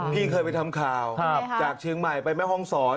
พี่เคยไปทำข่าวจากเชียงใหม่ไปแม่ห้องศร